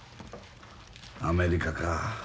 アメリカか。